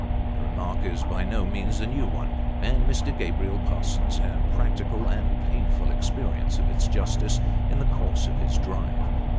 The remark is by no means a new one, and Mr. Gabriel Parsons had practical and painful experience of its justice in the course of his drive.